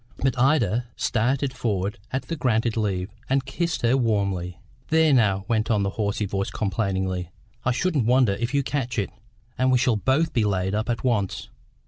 But Ida started forward at the granted leave, and kissed her warmly. "There now," went on the hoarse voice complainingly, "I shouldn't wonder if you catch it, and we shall both be laid up at once.